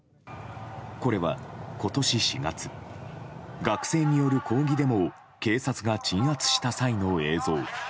これは今年４月学生による抗議デモを警察が鎮圧した際の映像。